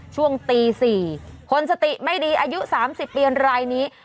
ช่วงตี๔คนสติไม่ดีอายุ๓๐ปีรายนี้